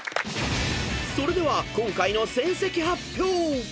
［それでは今回の成績発表］